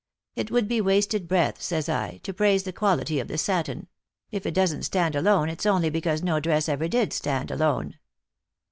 It would be wasted breath,' says J, ' to praise the quality of the satin ; if it doesn't stand alone it's only because no dress ever did stand alone.